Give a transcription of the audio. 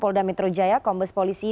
polda metro jaya kombes polisi